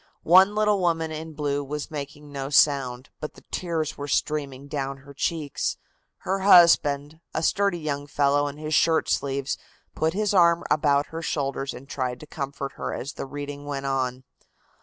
One little woman in blue was making no sound, but the tears were streaming down her cheeks. Her husband, a sturdy young fellow in his shirt sleeves, put his arm about her shoulders and tried to comfort her as the reading went on.